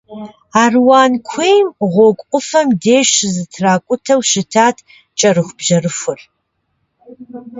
Аруан куейм гъуэгу ӏуфэм деж щызэтракӏутэу щытат кӏэрыхубжьэрыхур.